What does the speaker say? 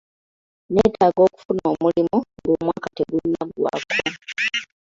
Neetaaga okufuna omulimu ng'omwaka tegunnaggwako.